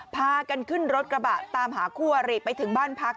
พากันขึ้นรถกระบะตามหาคู่อริไปถึงบ้านพัก